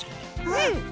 うん！